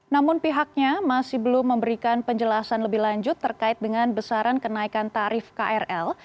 namun pihaknya masih belum memberikan penjelasan lebih lanjut terkait dengan besaran kenaikan tarif krl